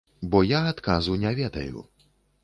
Бо я адказу не ведаю.